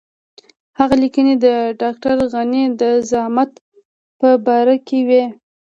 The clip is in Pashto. هغه لیکنې د ډاکټر غني د زعامت په باره کې وې.